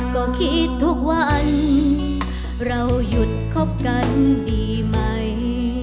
ก็คิดทุกวันเราหยุดคบกันดีไหม